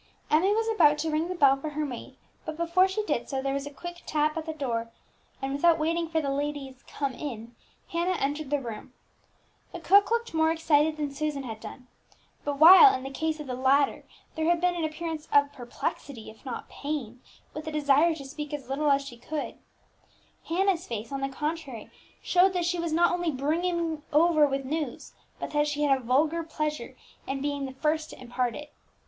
Emmie was about to ring the bell for her maid; but before she did so, there was a quick tap at the door, and, without waiting for the lady's "Come in," Hannah entered the room. The cook looked more excited than Susan had done; but while, in the case of the latter, there had been an appearance of perplexity, if not of pain, with a desire to speak as little as she could, Hannah's face, on the contrary, showed that she was not only brimming over with news, but that she had a vulgar pleasure in being the first to impart it.